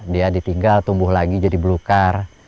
dia ditinggal tumbuh lagi jadi belukar